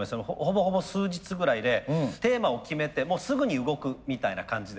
ほぼほぼ数日ぐらいでテーマを決めてすぐに動くみたいな感じでですね。